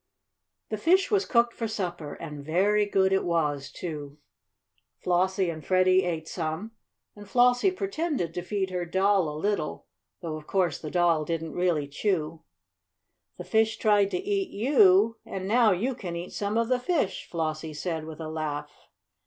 The fish was cooked for supper, and very good it was, too. Flossie and Freddie ate some and Flossie pretended to feed her doll a little, though of course the doll didn't really chew. "The fish tried to eat you, and now you can eat some of the fish," Flossie said, with a laugh.